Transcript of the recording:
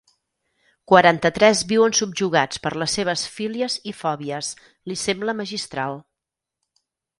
Quaranta-tres viuen subjugats per les seves fílies i fòbies li sembla magistral.